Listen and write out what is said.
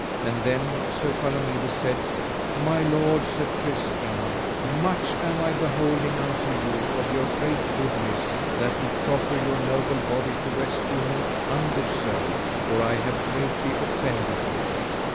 And then Sir Palomides said: My lord, Sir Tristram, much am I beholding unto you of your great goodness, that would proffer your noble body to rescue me undeserved, for I have greatly offended you.